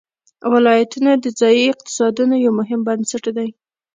ولایتونه د ځایي اقتصادونو یو مهم بنسټ دی.